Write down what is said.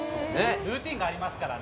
ルーティンがありますからね。